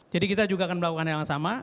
jadi kita juga akan melakukan yang sama